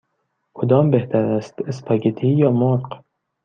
کدام بهتر است: اسپاگتی یا مرغ؟